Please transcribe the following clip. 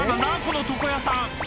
この床屋さん